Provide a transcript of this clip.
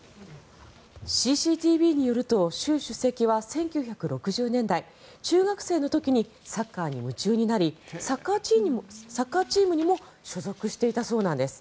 ＣＣＴＶによると習主席は１９６０年代中国の時にサッカーに夢中になりサッカーチームにも所属していたそうなんです。